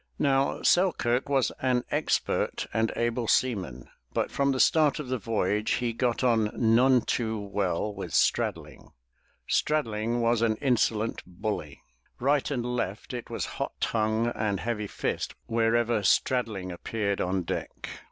Now Selkirk was an expert and able seaman, but from the start of the voyage he got on none too well with 328 THE TREASURE CHEST Straddling. Straddling was an insolent bully. Right and left it was hot tongue and heavy fist wherever Straddling appeared on deck.